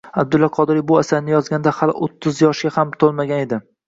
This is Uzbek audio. Abdulla Qodiriy bu asarni yozganida hali o‘ttiz yoshga ham to‘lmagan edi.